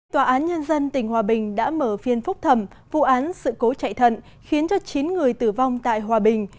tòa án nhân dân tỉnh hòa bình đã mở phiên phúc thẩm vụ án sự cố chạy thận khiến cho chín người tử vong tại hòa bình